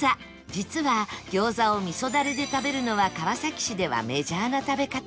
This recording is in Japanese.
実は餃子を味噌ダレで食べるのは川崎市ではメジャーな食べ方